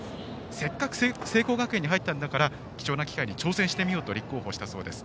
せっかく聖光学院に入ったから貴重な機会に挑戦してみようと立候補したそうです。